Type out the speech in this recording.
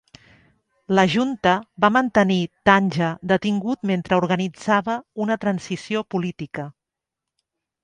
La junta va mantenir Tandja detingut mentre organitzava una transició política.